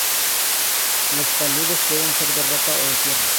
Los taludes pueden ser de roca o de tierras.